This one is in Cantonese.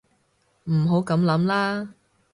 唔好噉諗啦